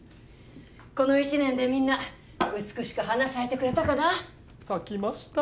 この一年でみんな美しく花咲いてくれたかな咲きました